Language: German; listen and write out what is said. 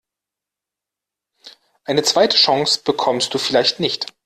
Eine zweite Chance bekommst du vielleicht nicht.